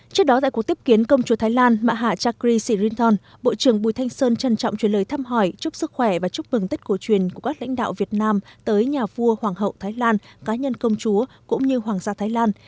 trước đó tại cuộc tiếp kiến công chúa thái lan mạ hạ chakri sirinton bộ trưởng bùi thanh sơn trân trọng truyền lời thăm hỏi chúc sức khỏe và chúc mừng tết cổ truyền của các lãnh đạo việt nam tới nhà vua hoàng hậu thái lan cá nhân công chúa cũng như hoàng gia thái lan